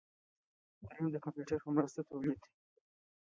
دریم د کمپیوټر په مرسته تولید دی.